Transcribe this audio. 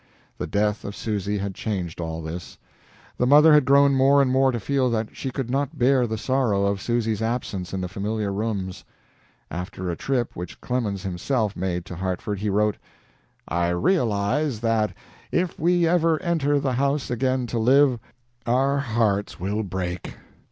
The death of Susy had changed all this. The mother had grown more and more to feel that she could not bear the sorrow of Susy's absence in the familiar rooms. After a trip which Clemens himself made to Hartford, he wrote, "I realize that if we ever enter the house again to live, our hearts will break."